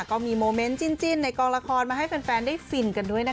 ก็มีโมเมนต์จิ้นในกองละครมาให้แฟนได้ฟินกันด้วยนะคะ